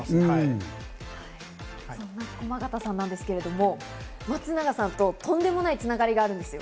そんな駒形さんなんですけど、松永さんととんでもない繋がりがあるんです。